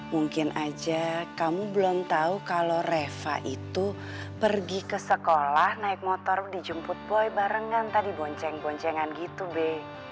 mungkin aja kamu belum tahu kalau reva itu pergi ke sekolah naik motor dijemput boy barengan tadi bonceng boncengan gitu be